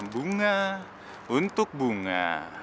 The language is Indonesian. bunga untuk bunga